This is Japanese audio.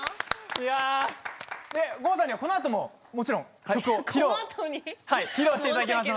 郷さんにはこのあとも曲を披露していただきます。